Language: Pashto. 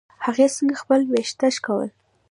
هغې څنګه خپل ويښته شکول.